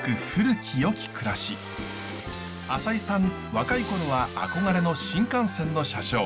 若い頃は憧れの新幹線の車掌。